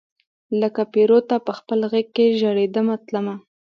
لکه پیروته پخپل غیږ کې ژریدمه تلمه